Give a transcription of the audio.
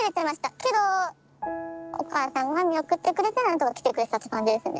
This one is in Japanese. けどお母さんが見送ってくれ何とか来てくれたって感じですね。